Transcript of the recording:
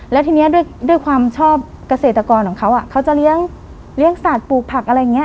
แล้วทีนี้ด้วยความชอบเกษตรกรของเขาเขาจะเลี้ยงสัตว์ปลูกผักอะไรอย่างนี้